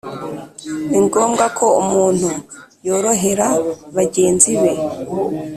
Ni ngombwa ko umuntu yorohera bagenzi be